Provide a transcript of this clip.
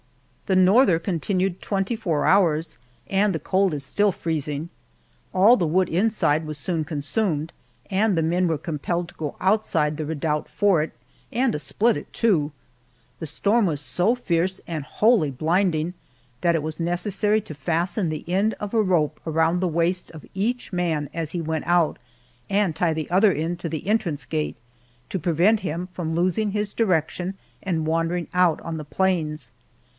The norther continued twenty four hours, and the cold is still freezing. All the wood inside was soon consumed, and the men were compelled to go outside the redoubt for it, and to split it, too. The storm was so fierce and wholly blinding that it was necessary to fasten the end of a rope around the waist of each man as he went out, and tie the other end to the entrance gate to prevent him from losing his direction and wandering out on the plains.